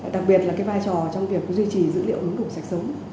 đặc biệt là vai trò trong việc duy trì dữ liệu hướng đục sạch sống